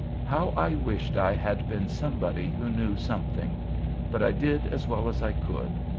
"How I wished it had been somebody who knew something! But I did as well as I could.